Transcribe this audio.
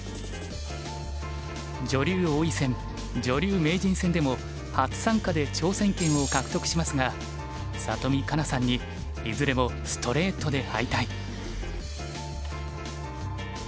女流王位戦女流名人戦でも初参加で挑戦権を獲得しますが里見香奈さんにいずれもストレートで敗退。